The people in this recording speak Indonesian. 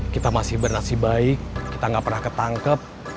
kita masih bernasib baik kita gak pernah ketangkep